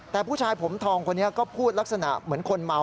แต่ผู้ชายผมทองคนนี้ก็พูดลักษณะเหมือนคนเมา